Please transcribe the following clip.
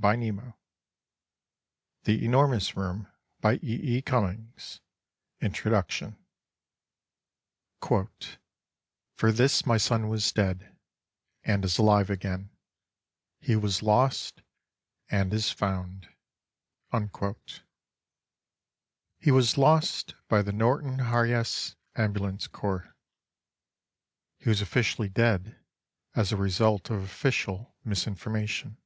THREE WISE MEN XIII. I SAY GOOD BYE TO LA MISÈRE INTRODUCTION "FOR THIS MY SON WAS DEAD, AND IS ALIVE AGAIN; HE WAS LOST; AND IS FOUND." He was lost by the Norton Harjes Ambulance Corps. He was officially dead as a result of official misinformation.